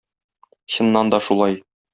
Чыннан да шулай.